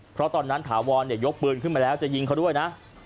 เพราะตอนนั้นถาวรยกปืนขึ้นมาแล้วจะยิงเขาด้วยนะ